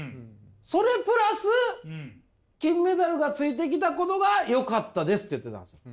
それプラス金メダルがついてきたことがよかったです」って言ってたんですよ。